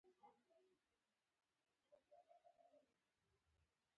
ما ځینې لاسي صنایع بیه کړې خو پر دوکانونو رش نه و.